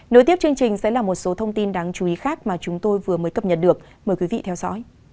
nối tiếp chương trình sẽ là một số thông tin đáng chú ý khác mà chúng tôi vừa mới cập nhật được mời quý vị theo dõi